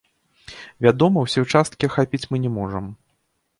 Вядома, усе ўчасткі ахапіць мы не можам.